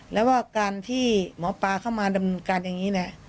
แล้วว่าการที่หมอปลาเข้ามาดำเนินการอย่างนี้นะ